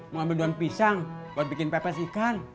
mau ambil daun pisang buat bikin pepes ikan